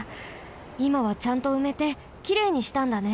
いまはちゃんとうめてきれいにしたんだね。